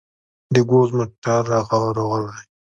د ګوز موتر روغلى.